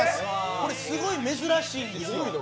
これ、すごい珍しいんですよ。